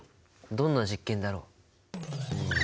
どんな実験だろう？